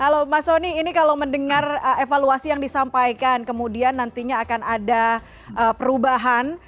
halo mas soni ini kalau mendengar evaluasi yang disampaikan kemudian nantinya akan ada perubahan